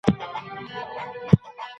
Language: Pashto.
ماشوم ته مينه ورکړه